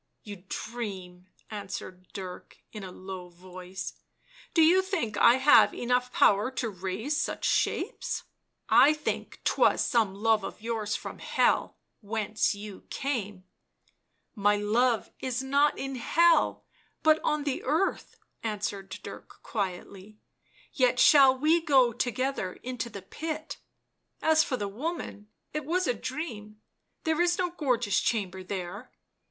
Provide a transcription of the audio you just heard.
" You dream," answered Dirk in a low voice. " Do you think I have enough power to raise such shapes ?"" I think 'twas some love of yours from Hell — whence you came "" My love is not in Hell, but on the earth," answered Dirk quietly —" yet shall we go together into the pit — as for the woman, it was a dream — there is no gorgeous chamber there."